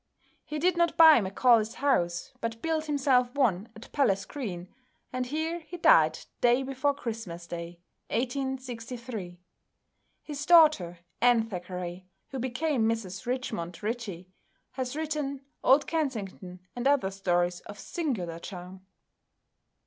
He did not buy Macaulay's house, but built himself one at Palace Green, and here he died the day before Christmas day 1863. His daughter, Anne Thackeray, who became Mrs Richmond Ritchie, has written "Old Kensington" and other stories of singular charm.